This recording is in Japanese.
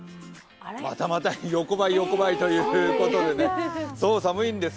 またまた横ばい、横ばいということで寒いんです。